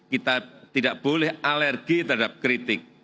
kita tidak boleh alergi terhadap kritik